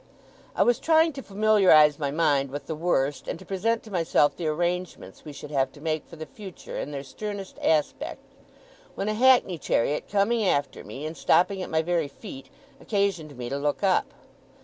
I was trying to familiarize my mind with the worst, and to present to myself the arrangements we should have to make for the future in their sternest aspect, when a hackney chariot coming after me, and stopping at my very feet, occasioned me to look up.